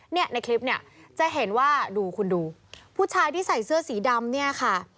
ในคลิปเนี่ยจะเห็นว่าดูคุณดูผู้ชายที่ใส่เสื้อสีดำเนี่ยค่ะ